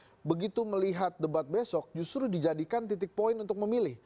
kalau mereka baru melihat debat besok justru dijadikan titik poin untuk memilih